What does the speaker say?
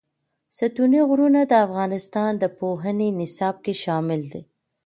ستوني غرونه د افغانستان د پوهنې نصاب کې شامل دي.